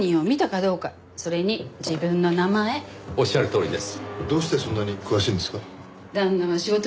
どうしてそんなに詳しいんですか？